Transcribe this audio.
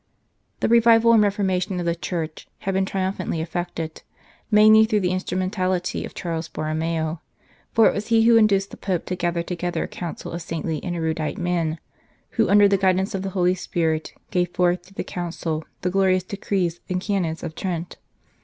The revival and reformation of the Church had been triumphantly effected, mainly through the instrumentality of Charles Borromeo, for it was he who induced the Pope to gather together a Council of saintly and erudite men, who under the guidance of the Holy Spirit gave forth to the Church the glorious Decrees and Canons of Trent.